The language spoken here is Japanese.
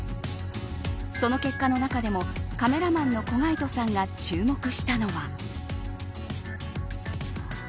その結果の中でもカメラマンの小海途さんが注目したのは。